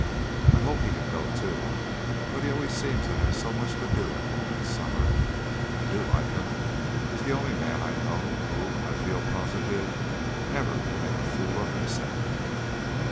I hope he can go too, but he always seems to have so much to do at home in summer. I do like him. He's the only man I know who, I feel positive, never could make a fool of himself."